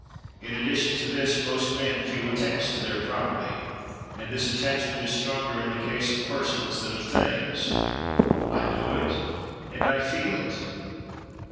In addition to this, most men feel attached to their property; and this attachment is stronger in the case of persons than of things. I know it, and feel it.